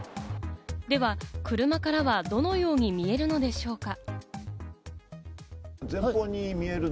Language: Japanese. では、車からはどのように見えるのでしょうか？